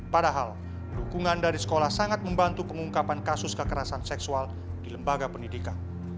padahal dukungan dari sekolah sangat membantu pengungkapan kasus kekerasan seksual di lembaga pendidikan